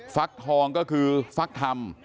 ฟักทองก็คือฟักธรรม